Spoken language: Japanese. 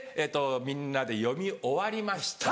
みんなで読み終わりました